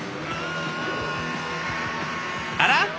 あら？